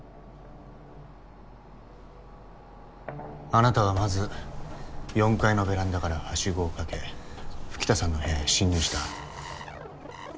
あなたはまず４階のベランダからハシゴを掛け吹田さんの部屋へ侵人した。